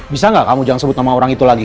bisa nggak kamu jangan sebut nama orang itu lagi